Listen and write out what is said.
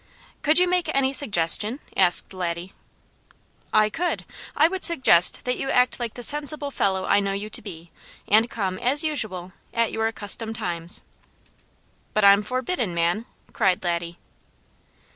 "Could you make any suggestion?" asked Laddie. "I could! I would suggest that you act like the sensible fellow I know you to be, and come as usual, at your accustomed times." "But I'm forbidden, man!" cried Laddie.